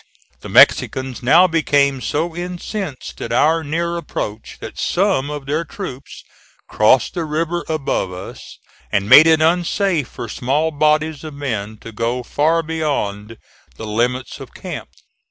The Mexicans now became so incensed at our near approach that some of their troops crossed the river above us, and made it unsafe for small bodies of men to go far beyond the limits of camp.